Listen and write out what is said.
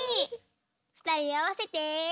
ふたりあわせて。